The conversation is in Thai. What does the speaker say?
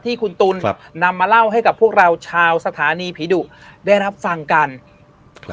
ที่คุณตุ๋นครับนำมาเล่าให้กับพวกเราชาวสถานีผีดุได้รับฟังกันครับ